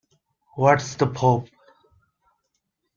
What's the Pope?